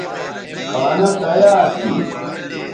کھانہ تیار تھی